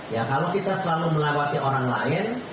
ya kalau kita selalu melewati orang lain